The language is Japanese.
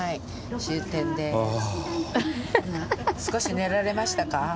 少し寝られましたか？